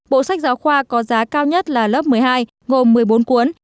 bộ sách giáo khoa có giá cao nhất là lớp một mươi hai gồm một mươi bốn cuốn